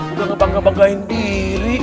udah ngebangga banggain diri